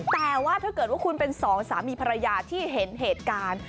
แต่ว่าถ้าเกิดว่าคุณเป็นสองสามีภรรยาที่เห็นเหตุการณ์